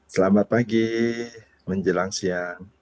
selamat pagi menjelang siang